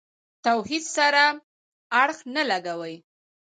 توحید سره اړخ نه لګوي.